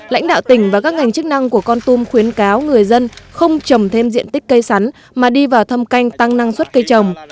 lãnh đạo tỉnh và các ngành chức năng của con tum khuyến cáo người dân không trồng thêm diện tích cây sắn mà đi vào thâm canh tăng năng suất cây trồng